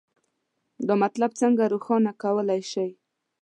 دا مطلب څنګه روښانه کولی شئ؟